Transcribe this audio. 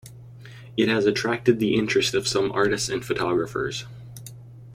It has attracted the interest of some artists and photographers.